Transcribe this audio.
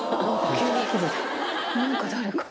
何か誰か。